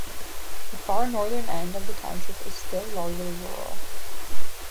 The far northern end of the township is still largely rural.